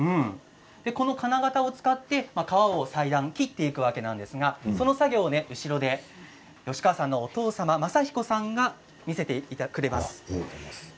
この金型を使って革を裁断切っていくわけですがその作業を後ろで吉川さんのお父さん雅彦さんが見せてくれます。